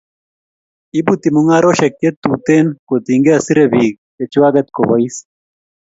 iputi mungaroshek che Tuten kotinge sire pik che chwaget kopais